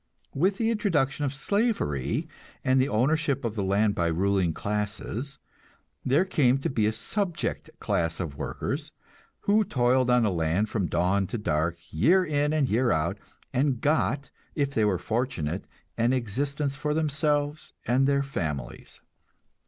With the introduction of slavery and the ownership of the land by ruling classes, there came to be a subject class of workers, who toiled on the land from dawn to dark, year in and year out, and got, if they were fortunate, an existence for themselves and their families.